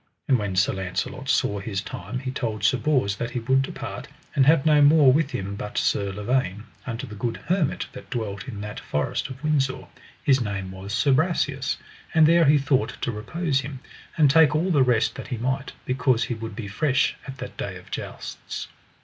And when Sir Launcelot saw his time he told Sir Bors that he would depart, and have no more with him but Sir Lavaine, unto the good hermit that dwelt in that forest of Windsor; his name was Sir Brasias; and there he thought to repose him, and take all the rest that he might, because he would be fresh at that day of jousts.